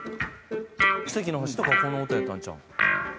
『奇跡の地球』とかはこの音やったんちゃうん？